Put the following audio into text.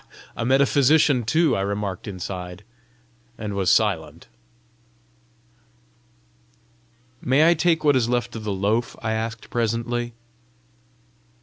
a metaphysician too!" I remarked inside, and was silent. "May I take what is left of the loaf?" I asked presently.